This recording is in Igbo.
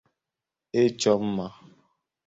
ịchọ mma